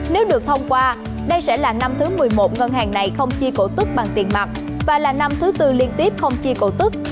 nếu được thông qua đây sẽ là năm thứ một mươi một ngân hàng này không chi cổ tức bằng tiền mặt và là năm thứ tư liên tiếp không chi cổ tức